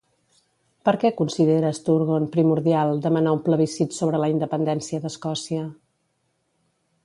Per què considera Sturgeon primordial demanar un plebiscit sobre la independència d'Escòcia?